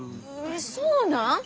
そうなん！？